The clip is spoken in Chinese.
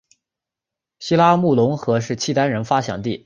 西拉木伦河是契丹人发祥地。